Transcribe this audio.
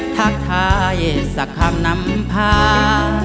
ทักทายสักคำน้ำพา